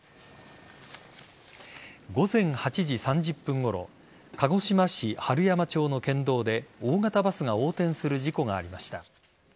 午前８時３０分ごろ鹿児島市春山町の県道で大型バスが横転する事故がありました。